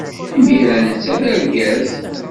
Imir-a netta d argaz.